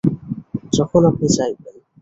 যখন আপনি চাইবেন।